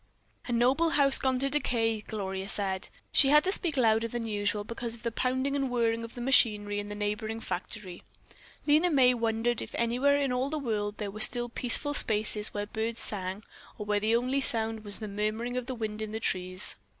"A noble house gone to decay," Gloria said. She had to speak louder than usual because of the pounding and whirring of the machinery in the neighboring factory. Lena May wondered if anywhere in all the world there were still peaceful spaces where birds sang, or where the only sound was the murmuring of the wind in the trees.